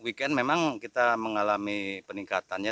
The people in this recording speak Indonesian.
weekend memang kita mengalami peningkatannya